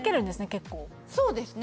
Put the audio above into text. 結構そうですね